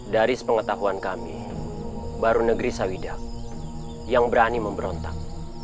dari sepengetahuan kami baru negeri sawida yang berani memberontak